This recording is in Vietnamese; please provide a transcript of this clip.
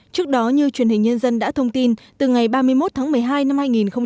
trước đó như truyền hình nhân dân đã thông tin từ ngày ba mươi một tháng một mươi hai năm hai nghìn một mươi chín